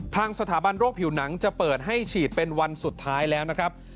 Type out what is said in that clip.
ทางสถาบันโรคผิวหนังจะเปิดให้ฉีดเป็นวันสุดท้ายแล้วนะครับ